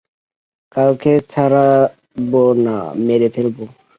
কাউকে ছাড়বো না মেরে ফেলবো!